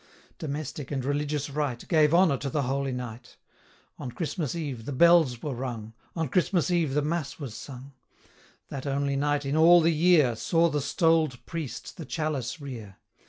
Domestic and religious rite Gave honour to the holy night; On Christmas eve the bells were rung; 30 On Christmas eve the mass was sung: That only night in all the year, Saw the stoled priest the chalice rear.